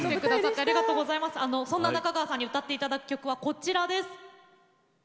そんな中川さんに歌っていただく曲がこちらです。